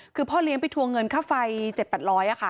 คือพ่อเลี้ยงไปทวงเงินค่าไฟ๗๘๐๐บาทค่ะ